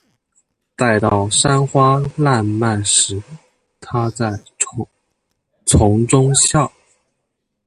待到山花烂漫时，她在丛中笑。